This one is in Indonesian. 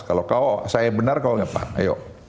kalau saya benar kalau nggak ayo